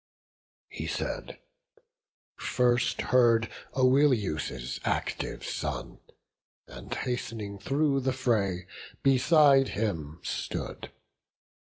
He said: first heard Oileus' active son, And hast'ning through the fray, beside him stood.